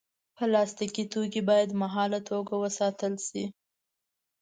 پلاستيکي توکي باید مهاله توګه وساتل شي.